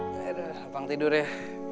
ya udah lapang tidur ya